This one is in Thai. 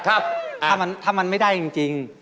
ถ้ามันไม่ได้จริง